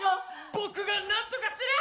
僕がなんとかする！